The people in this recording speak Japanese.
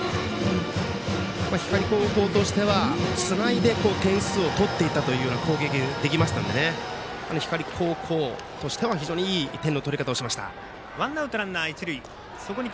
光高校としては、つないで点数を取っていったという攻撃できましたので光高校としては非常にいい点の取り方をしました。